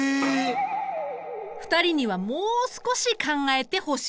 ２人にはもう少し考えてほしい。